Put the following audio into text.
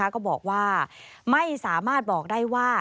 ก็บอกว่าไม่สามารถบอกได้ว่า